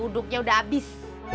uduknya udah abis